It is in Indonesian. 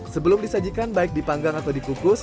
sebelum disajikan baik dipanggang atau dikukus